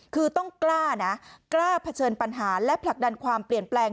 คือต้องกล้านะกล้าเผชิญปัญหาและผลักดันความเปลี่ยนแปลง